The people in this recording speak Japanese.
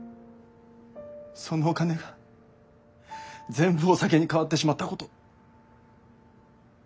そのお金が全部お酒に変わってしまったこと。